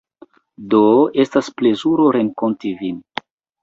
Do, estas plezuro renkonti vin